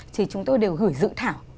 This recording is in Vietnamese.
thì chúng tôi đều gửi dự thảo